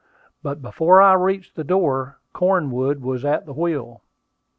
But before I reached the door Cornwood was at the wheel.